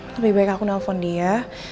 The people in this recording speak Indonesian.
lebih baik aku nelfon dia